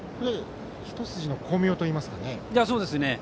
一筋の巧妙といいますか。